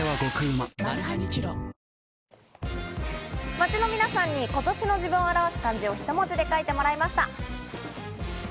街の皆さんに今年の自分を表す漢字を一文字で書いてもらいました。